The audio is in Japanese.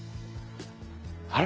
あれ？